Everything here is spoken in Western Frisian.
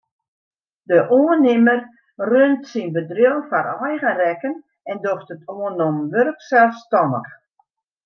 De oannimmer runt syn bedriuw foar eigen rekken en docht it oannommen wurk selsstannich.